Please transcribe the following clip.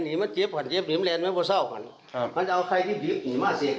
ถูข้นนี่ปิ๊บหรือสี